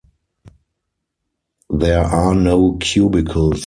There are no cubicles.